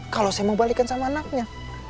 kalau saya mau balikin sama anaknya